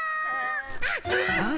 あっ。